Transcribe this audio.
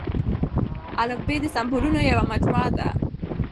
الفبې د سمبولونو يوه مجموعه ده.